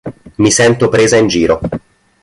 Mi sento presa in giro.